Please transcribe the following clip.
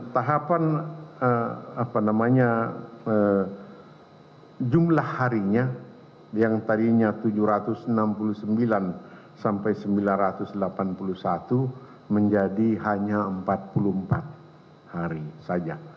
tahapan jumlah harinya yang tadinya tujuh ratus enam puluh sembilan sampai sembilan ratus delapan puluh satu menjadi hanya empat puluh empat hari saja